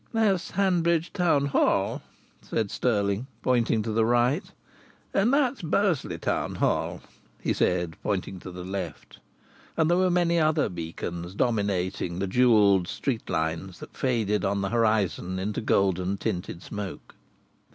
"That's Hanbridge Town Hall," said Stirling, pointing to the right. "And that's Bursley Town Hall," he said, pointing to the left. And there were many other beacons, dominating the jewelled street lines that faded on the horizon into golden tinted smoke.